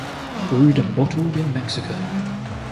Brewed and bottled in Mexico.